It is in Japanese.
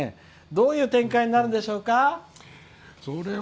どういう展開になるんでしょうか。